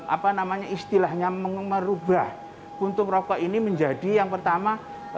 apa namanya istilahnya merubah kuntung rokok ini menjadi yang pertama